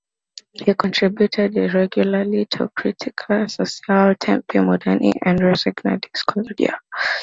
He contributed irregularly to "Critica Sociale", "Tempi Moderni" and "Rassegna di Sociologia".